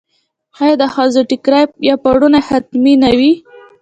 آیا د ښځو ټیکری یا پړونی حتمي نه وي؟